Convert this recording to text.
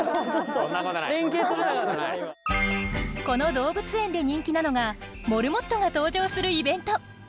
この動物園で人気なのがモルモットが登場するイベント。